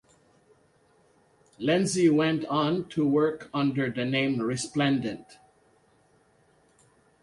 Lenzi went on to work under the name Resplendent.